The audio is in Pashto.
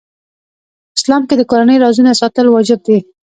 اسلام کې د کورنۍ رازونه ساتل واجب دي .